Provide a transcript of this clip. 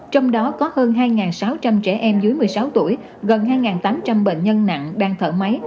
trong đó có hơn hai sáu trăm linh trẻ em dưới một mươi sáu tuổi gần hai tám trăm linh bệnh nhân nặng đang thở máy